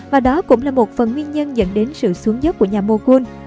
và đó cũng là một phần nguyên nhân dẫn đến sự xuống giấc của nhà moghul